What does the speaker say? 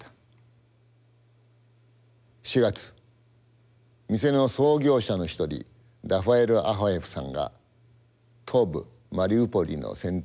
４月店の創業者の一人ラファイル・アハエフさんが東部マリウポリの戦闘で亡くなりました。